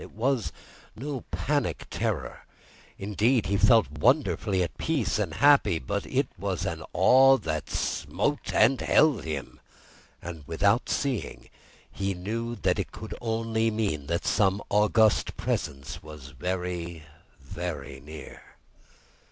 It was no panic terror—indeed he felt wonderfully at peace and happy—but it was an awe that smote and held him and, without seeing, he knew it could only mean that some august Presence was very, very near.